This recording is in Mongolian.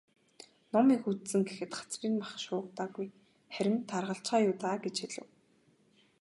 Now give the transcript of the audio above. "Ном их үзсэн гэхэд хацрын нь мах шуугдаагүй, харин таргалчихаа юу даа" гэж хэлэв.